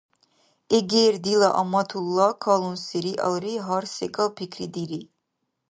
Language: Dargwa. Эгер дила Аматулла калунси риалри, гьар секӀал пикридири.